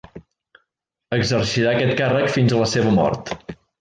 Exercirà aquest càrrec fins a la seva mort.